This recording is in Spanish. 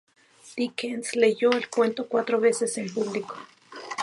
Dickens leyó el cuento cuatro veces en público.